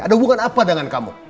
ada hubungan apa dengan kamu